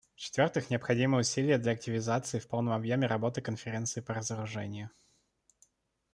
В-четвертых, необходимы усилия для активизации в полном объеме работы Конференции по разоружению.